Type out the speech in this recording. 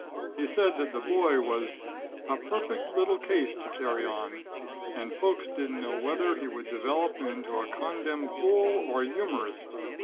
He said that the boy was "a perfect little case to carry on and folks didn't know whether he would develop into a condemb fool or a youmerist."